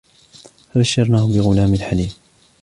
فبشرناه بغلام حليم